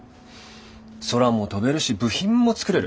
空も飛べるし部品も作れる。